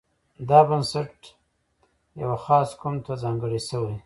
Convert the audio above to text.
دا بنسټ یوه خاص قوم ته ځانګړی شوی.